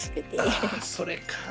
ああそれか。